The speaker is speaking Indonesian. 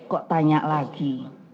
kok tanya lagi